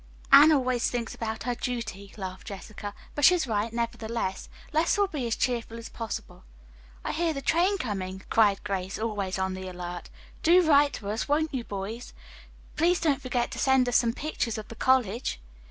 "Anne always thinks about her duty," laughed Jessica, "but she's right, nevertheless. Let's all be as cheerful as possible." "I hear the train coming," cried Grace, always on the alert. "Do write to us, won't you, boys! Please don't forget to send us some pictures of the college."